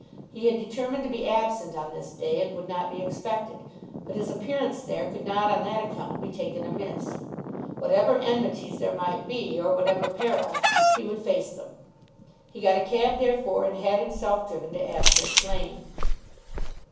He had determined to be absent on this day, and would not be expected. But his appearance there could not on that account be taken amiss. Whatever enmities there might be, or whatever perils, he would face them. He got a cab therefore and had himself driven to Abchurch Lane.